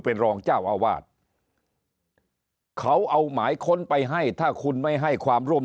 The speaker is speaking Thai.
เป็นรองเจ้าอาวาสเขาเอาหมายค้นไปให้ถ้าคุณไม่ให้ความร่วม